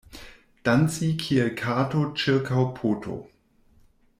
Danci kiel kato ĉirkaŭ poto.